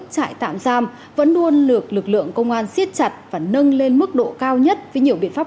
trại tạm giam vẫn luôn được lực lượng công an siết chặt và nâng lên mức độ cao nhất với nhiều biện pháp